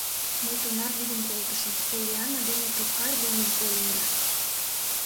Мый тунар лӱдын колтышым, Поллианна дене туткар лиймым кольым да.